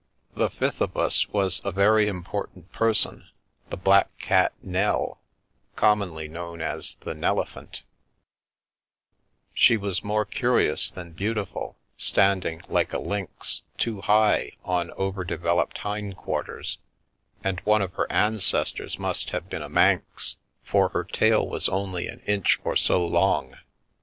The fifth of us was a very important person — the black cat Nell, commonly known as the Nelephant She was more curious than beautiful, standing, like a lynx, too high on over devel oped hind quarters, and one of her ancestors must have been a Manx, for her tail was only an inch or so long.